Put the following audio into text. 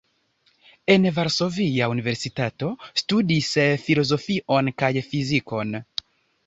En Varsovia Universitato studis filozofion kaj fizikon.